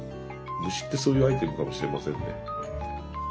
虫ってそういうアイテムかもしれませんね。